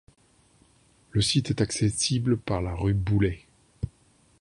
Le site est accessible par la rue Boulay.